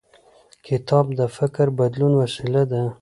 کتاب د فکر بدلون وسیله ده.